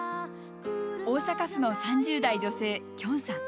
大阪府の３０代・女性きょんさん。